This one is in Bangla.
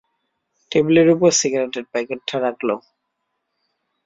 টেবিলের উপর সিগারেটের প্যাকেটটা রাখল।